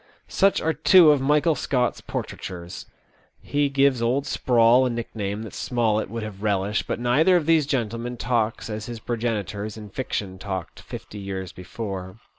Such are two of Michael Scott's portraitures. He gives Old Sprawl a nickname that Smollett would have relished, but neither of these gentlemen talks as his progenitors in fiction talked fifty years before.